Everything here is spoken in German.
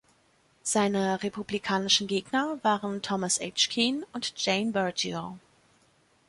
Seine republikanischen Gegner waren Thomas H. Kean und Jane Burgio.